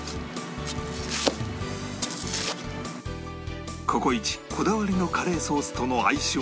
ココイチこだわりのカレーソースとの相性抜群！